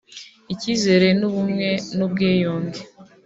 icyizere n’uw’ubumwe n’ubwiyunge